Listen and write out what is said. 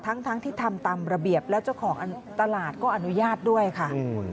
ทั้งที่ทำตามระเบียบแล้วเจ้าของตลาดก็อนุญาตด้วยค่ะ